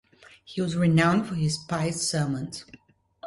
He was renowned for his "spiced sermons".